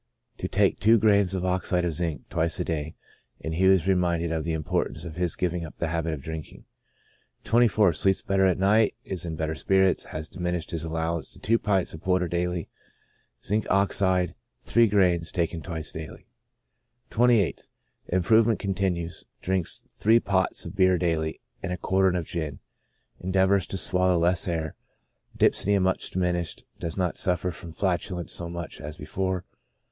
To take two grains of oxide of zinc, twice a day ; and he was reminded of the importance of his giving up the habit of drinking. 24th. — Sleeps better at night, is in better spirits, has diminished his allowance to two pints of porter daily. Zinc. Ox., gr.iij, bis die. 28th. — Improvement continues, drinks three pots of beer daily and a quartern of gin, endeavors to swallow less air, dyspnoea much diminished, does not suffer from flatulence so much as before.